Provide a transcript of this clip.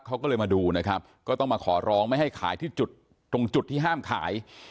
เขาก็เลยมาดูนะครับก็ต้องมาขอร้องไม่ให้ขายที่จุดตรงจุดที่ห้ามขาย